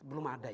belum ada itu